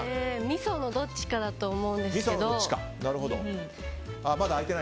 みそのどっちかだと思うんですけど。